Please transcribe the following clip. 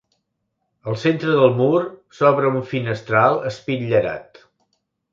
Al centre del mur s'obre un finestral espitllerat.